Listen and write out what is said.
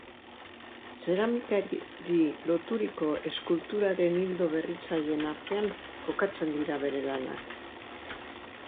Zeramikari loturiko eskulturaren ildo berritzaileen artean kokatzen dira bere lanak.